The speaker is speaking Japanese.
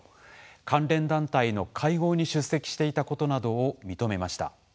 関連団体の会合に出席していたことなどを認めました。